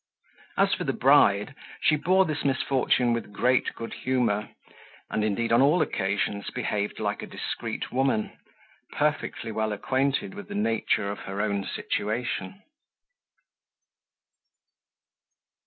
As for the bride, she bore this misfortune with great good humour, and indeed, on all occasions, behaved like a discreet woman, perfectly well acquainted with the nature of her own situation.